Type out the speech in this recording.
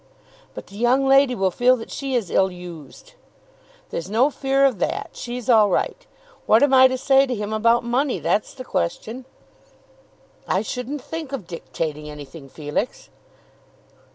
"But the young lady will feel that she is ill used." "There's no fear of that; she's all right. What am I to say to him about money? That's the question." "I shouldn't think of dictating anything, Felix."